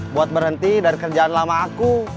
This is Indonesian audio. buat berhenti dari kerjaan lama aku